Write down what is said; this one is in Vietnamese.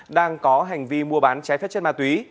đang có hành vi mua bán trái phép chất ma túy